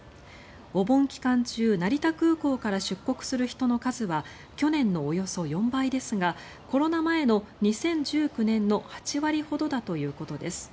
お盆期間中成田空港から出国する人の数は去年のおよそ４倍ですがコロナ前の２０１９年の８割ほどだということです。